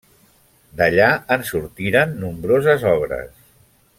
D'allà en sortiren nombroses obres.